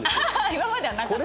今まではなかった？